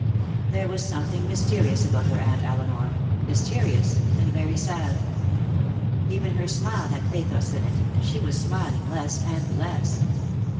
There was something mysterious about her Aunt Elinor, mysterious and very sad. Even her smile had pathos in it, and she was smiling less and less.